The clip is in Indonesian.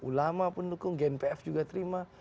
ulama pendukung gnpf juga terima